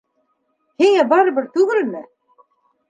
Һиңә барыбер түгелме?